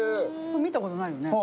見たことないよね。